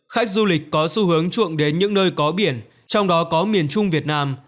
khách du lịch có xu hướng chuộng đến những nơi có biển trong đó có miền trung việt nam